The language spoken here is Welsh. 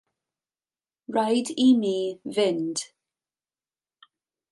Rhaid i mi fynd.